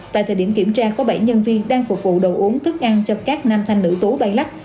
tại thời điểm kiểm tra có bảy nhân viên đang phục vụ đồ uống thức ăn cho các nam thanh nữ tú bay lắc